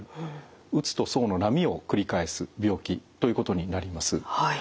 うつとそうの波を繰り返す病気ということになります。